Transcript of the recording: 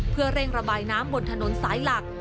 เพื่อเร่งระบายน้ำบนถนนสายหลัก